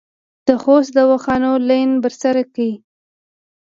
د خوست دواخانو لین بر سر کې